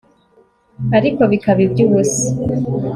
ariko bikaba iby'ubusa